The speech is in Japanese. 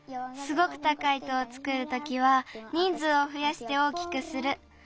すごくたかい塔をつくるときは人ずうをふやして大きくする。